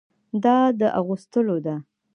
دا د اغوستلو ده.